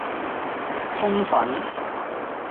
通粉